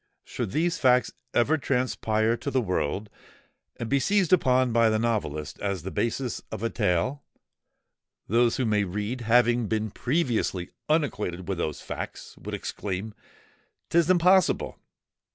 Should these facts ever transpire to the world, and be seized upon by the novelist as the basis of a tale, those who may read, having been previously unacquainted with those facts, would exclaim, '_'Tis impossible!